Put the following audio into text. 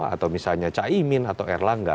atau misalnya caimin atau erlangga